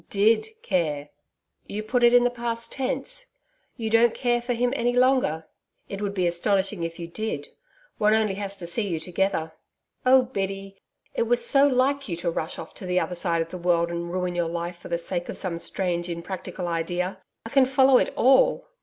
'DID care. You put it in the past tense. You don't care for him any longer. It would be astonishing if you did. One has only to see you together.... Oh, Biddy, it was so like you to rush off to the other side of the world, and ruin your life for the sake of some strange impracticable idea! I can follow it all....'